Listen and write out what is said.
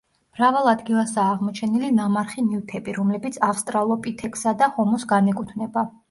მრავალ ადგილასაა აღმოჩენილი ნამარხი ნივთები, რომლებიც ავსტრალოპითეკსა და ჰომოს განეკუთვნება.